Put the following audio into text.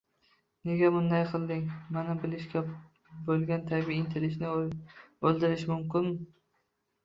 “Nega bunday qilding?” – mana bilishga bo‘lgan tabiiy intilishni o‘ldirishi mumkin.